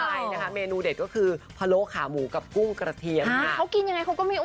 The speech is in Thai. อันนี้นะคะเมนูเด็ดก็คือพะโลกขาหมูกับกุ้งกระเทียง